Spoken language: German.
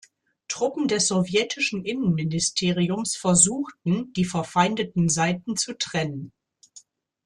Truppen des sowjetischen Innenministeriums versuchten, die verfeindeten Seiten zu trennen.